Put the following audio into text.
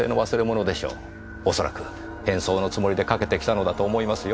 恐らく変装のつもりでかけてきたのだと思いますよ。